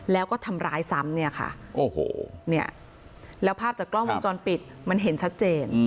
แล้วก็ทำร้ายซ้ำเนี่ยค่ะโอ้โหเนี่ยแล้วภาพจากกล้องวงจรปิดมันเห็นชัดเจน